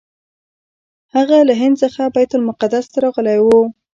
هغه له هند څخه بیت المقدس ته راغلی و.